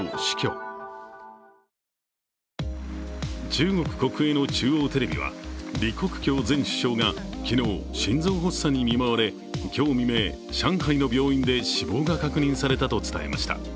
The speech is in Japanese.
中国国営の中央テレビは李克強前首相が昨日、心臓発作に見舞われ、今日未明上海の病院で死亡が確認されたと伝えました。